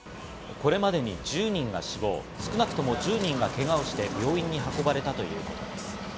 これまでに１０人が死亡、少なくとも１０人がけがをして病院に運ばれたということです。